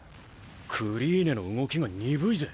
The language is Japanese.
クリーネの動きが鈍いぜ。